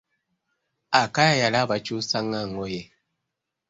Akaya yali abakyusa nga ngoye.